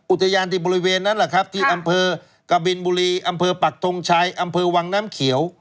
อุทยานที่บริเวณนั้นแหละครับที่อำเภอกบินบุรีอำเภอปักทงชัยอำเภอวังน้ำเขียว